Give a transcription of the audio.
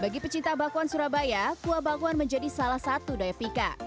bagi pecinta bakwan surabaya kuah bakwan menjadi salah satu daya pika